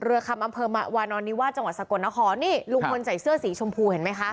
เหนือนี่ลุงพลใส่เสื้อสีชมพูเห็นไหมคะ